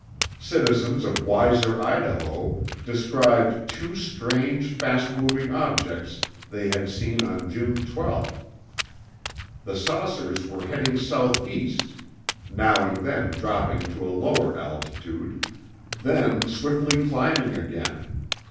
Citizens of Weiser, Idaho, described two strange fast moving objects they had seen on June 12. The saucers were heading southeast, now and then dropping to a lower altitude, then swiftly climbing again.